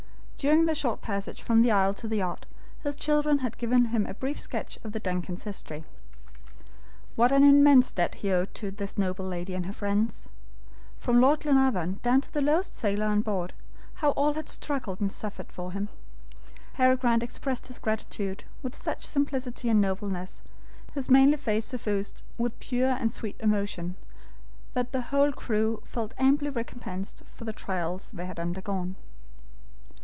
During the short passage from the isle to the yacht, his children had given him a brief sketch of the DUNCAN'S history. What an immense debt he owed to this noble lady and her friends! From Lord Glenarvan, down to the lowest sailor on board, how all had struggled and suffered for him! Harry Grant expressed his gratitude with such simplicity and nobleness, his manly face suffused with pure and sweet emotion, that the whole crew felt amply recompensed for the trials they had undergone.